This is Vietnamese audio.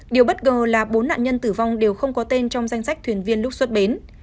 điều bất ngờ là bốn nạn nhân tử vong đều không có tên trong danh sách thuyền viên lúc xuất bến